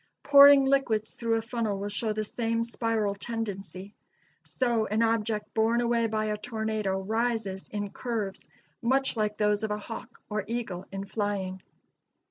Pouring liquids through a funnel will show the same spiral tendency. So an object borne away by a tornado rises in curves much like those of a hawk or eagle in flying.